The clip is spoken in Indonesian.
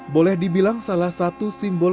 boleh dibilang salah satu simbol